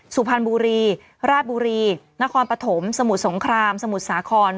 สุพรรณบุรีราชบุรีนครปฐมสมุทรสงครามสมุทรสาคร